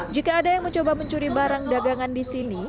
jika ada yang mencoba mencuri barang dagangan di sini